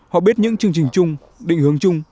họ biết những chương trình chung định hướng chung